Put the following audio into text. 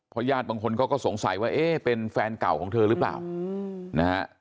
ญาติบางคนเขาก็สงสัยว่าเอ๊ะเป็นแฟนเก่าของเธอหรือเปล่านะฮะ